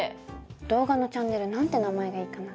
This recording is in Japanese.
動画のチャンネル何て名前がいいかな？